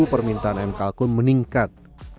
permintaan ayam kalkun meningkat